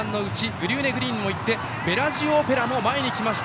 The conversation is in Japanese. グリューネグリーンもいってベラジオオペラも前に来ました。